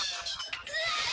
kamu sudah bisa lari